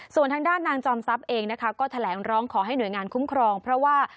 ส่วนทางด้านนางจอมทรัพย์เองนะคะก็แถลงร้องขอให้หน่วยงานคุ้มครองเพราะว่า